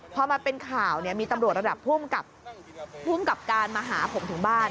พอมาเป็นข่าวเนี่ยมีตำรวจระดับภูมิกับการมาหาผมถึงบ้าน